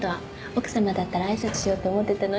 奥さまだったら挨拶しようと思ってたのに。